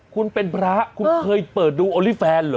คุณเป็นพระคุณเคยเปิดดูโอลี่แฟนเหรอ